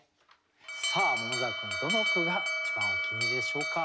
さあ桃沢君どの句が一番お気に入りでしょうか。